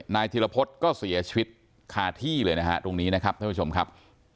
ธิรพฤษก็เสียชีวิตคาที่เลยนะฮะตรงนี้นะครับท่านผู้ชมครับ